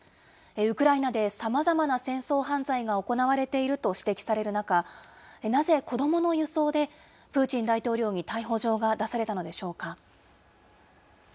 ウクライナでさまざまな戦争犯罪が行われていると指摘される中、なぜ、子どもの輸送でプーチン大統領に逮捕状が出されたのでしょうか。